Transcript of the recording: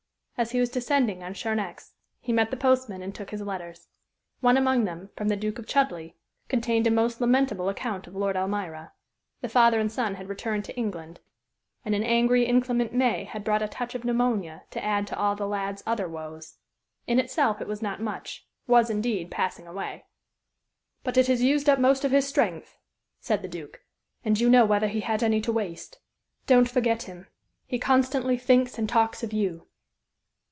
As he was descending on Charnex, he met the postman and took his letters. One among them, from the Duke of Chudleigh, contained a most lamentable account of Lord Elmira. The father and son had returned to England, and an angry, inclement May had brought a touch of pneumonia to add to all the lad's other woes. In itself it was not much was, indeed, passing away. "But it has used up most of his strength," said the Duke, "and you know whether he had any to waste. Don't forget him. He constantly thinks and talks of you."